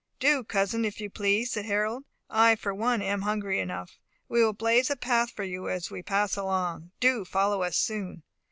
"Do, cousin, if you please," said Harold. "I, for one, am hungry enough. We will blaze a path for you as we pass along. Do follow us soon."